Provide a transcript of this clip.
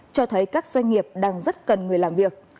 cho thấy các doanh nghiệp đang rất cần người làm việc